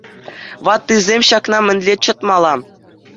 Ваттисен ҫакна мӗнле чӑтмалла?